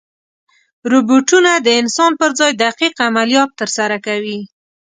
روبوټونه د انسان پر ځای دقیق عملیات ترسره کوي.